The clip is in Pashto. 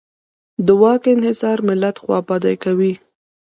د واک انحصار ملت خوابدی کوي.